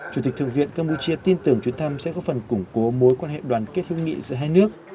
chủ tịch thượng viện campuchia tin tưởng chuyến thăm sẽ có phần củng cố mối quan hệ đoàn kết hữu nghị giữa hai nước